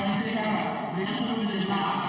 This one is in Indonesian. yang membuat perbukaan adalah